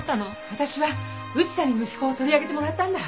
わたしは内さんに息子を取り上げてもらったんだ。